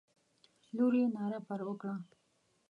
لور یې ناره پر وکړه.